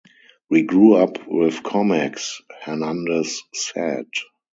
"We grew up with comics," Hernandez said.